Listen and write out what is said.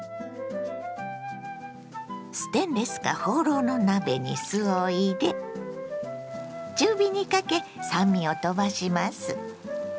ステンレスかホウロウの鍋に酢を入れ中火にかけ酸味をとばします。